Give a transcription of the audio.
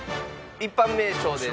一般名称です。